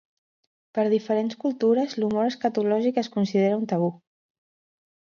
Per diferents cultures, l'humor escatològic es considera un tabú.